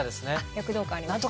躍動感ありました。